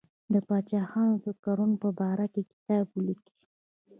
د پاچاهانو د کړنو په باره کې کتاب ولیکي.